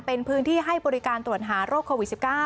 เป็นพื้นที่ให้บริการตรวจหาโรคโควิด๑๙